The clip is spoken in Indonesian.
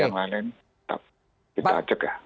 yang lain lain tetap kita cegah